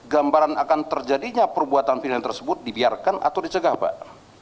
gambaran akan terjadinya perbuatan pidana tersebut dibiarkan atau dicegah pak